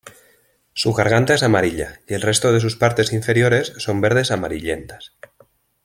Su garganta es amarilla, y el resto de sus partes inferiores son verdes amarillentas.